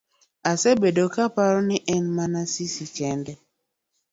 Asebedo kaparo ni en mana Asisi kende.